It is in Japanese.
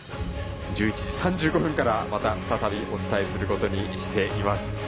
１１時３５分から、また再びお伝えすることにしています。